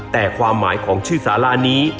แต่ความหมายของชื่อสารานี้